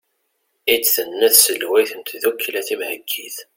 i d-tenna tselwayt n tddukkla timheggit